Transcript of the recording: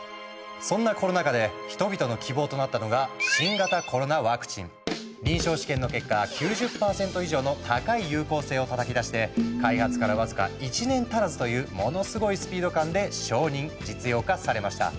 そんなコロナ禍で人々の希望となったのが臨床試験の結果９０％以上の高い有効性をたたき出して開発から僅か１年足らずというものスゴいスピード感で承認実用化されました。